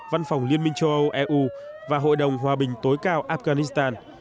văn phòng liên minh châu âu eu và hội đồng hòa bình tối cao afghanistan